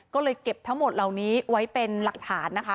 ก็เลยเก็บทั้งหมดเหล่านี้ไว้เป็นหลักฐานนะคะ